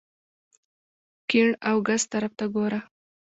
ګېڼ او ګس طرف ته ګوره !